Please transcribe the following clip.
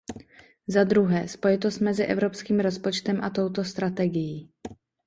Zadruhé, spojitost mezi evropským rozpočtem a touto strategií.